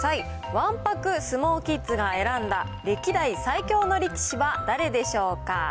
わんぱく相撲キッズが選んだ歴代最強の力士は誰でしょうか？